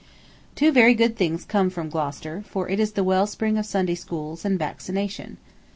Two very good things come from Gloucester, for it is the well spring of Sunday schools and vaccination.